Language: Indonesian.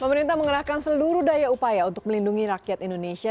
pemerintah mengerahkan seluruh daya upaya untuk melindungi rakyat indonesia